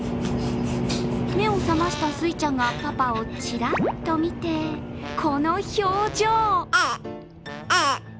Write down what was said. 目を覚ましたすいちゃんがパパをちらっと見て、この表情。